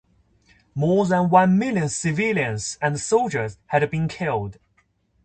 More than one million civilians and soldiers had been killed.